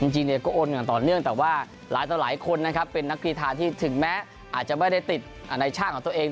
จริงเนี่ยก็โอนอย่างต่อเนื่องแต่ว่าหลายต่อหลายคนนะครับเป็นนักกีฬาที่ถึงแม้อาจจะไม่ได้ติดในช่างของตัวเอง